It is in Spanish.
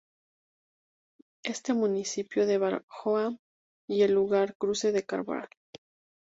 Este: Municipio de Barahona y el lugar Cruce de Cabral.